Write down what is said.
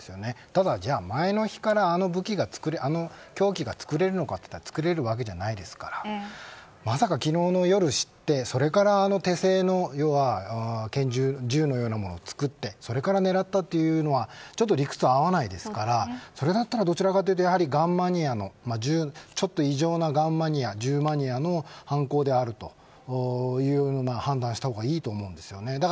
ただ、じゃあ前の日からあの凶器が作れるかといったら作れるわけじゃないですからまさか昨日の夜知ってそれから手製の銃のようなものを作ってそれから狙ったというのはちょっと理屈が合わないですからそれだったらどちらかというとガンマニアのちょっと異常なガンマニアの犯行であるという判断をした方がいいと思います。